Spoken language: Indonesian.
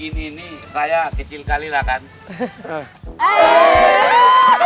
di sini saya kecil kali saya kecil